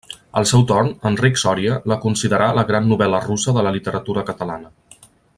Al seu torn, Enric Sòria la considerà la gran novel·la russa de la literatura catalana.